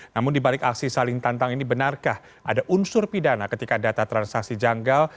namun dibalik aksi saling tantang ini benarkah ada unsur pidana ketika data transaksi janggal